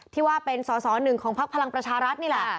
ที่ว่าเป็นสอสอหนึ่งของพักพลังประชารัฐนี่แหละ